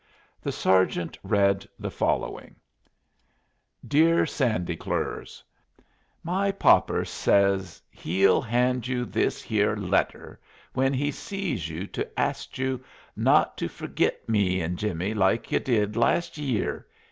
The sergeant read the following: "DEAR SANDY CLORS: my Popper says hell hand you this here leter when he sees you to ast you not to fergit me and jimmy like you did last yeer.